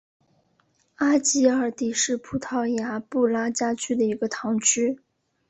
阿吉尔迪是葡萄牙布拉加区的一个堂区。